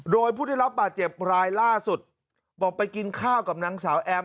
โดยผู้ได้รับบาดเจ็บรายล่าสุดบอกไปกินข้าวกับนางสาวแอม